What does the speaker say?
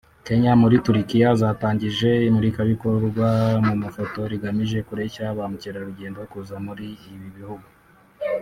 Kenya muri Turukiya zatangije imurikabikorwa mu mafoto rigamije kureshya ba mukerarugendo kuza muri ibi bihugu